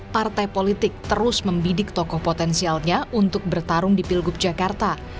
partai politik terus membidik tokoh potensialnya untuk bertarung di pilgub jakarta